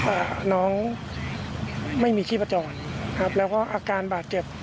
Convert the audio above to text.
อ่าน้องไม่มีชีพจรครับแล้วก็อาการบาดเจ็บ